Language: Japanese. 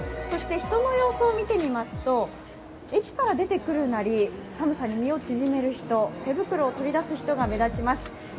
そして人の様子を見てみますと駅から出てくるなり、寒さに身を縮める人、手袋を取り出す人が目立ちます。